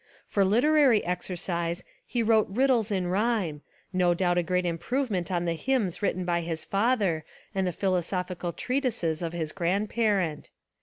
For literary exercise he wrote rid dles in rhyme, no doubt a great improvement on the hymns written by his father and the philosophical treatises of his grandparent.